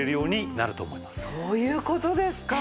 そういう事ですか。